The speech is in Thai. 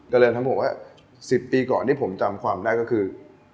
ก็เลยทั้งบอกว่า๑๐ปีก่อนที่ผมจำความได้ก็คือ